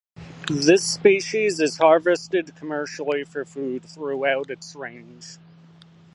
This species is harvested commercially for food throughout its range.